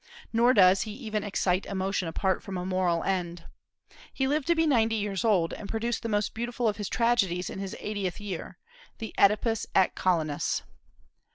Nor does he even excite emotion apart from a moral end. He lived to be ninety years old, and produced the most beautiful of his tragedies in his eightieth year, the "Oedipus at Colonus."